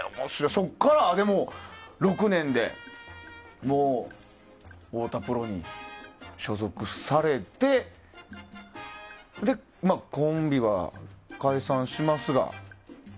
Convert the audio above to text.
そこから６年で太田プロに所属されてコンビは解散しますが。